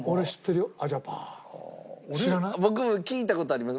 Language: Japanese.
僕も聞いた事あります。